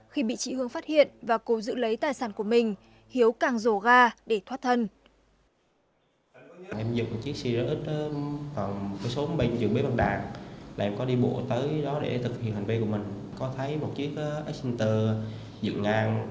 khi bị chị hương phát hiện và cố giữ lấy tài sản của mình hiếu càng rổ ga để thoát thân